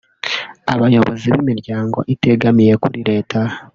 abayobozi b’imiryango itegamiye kuri Leta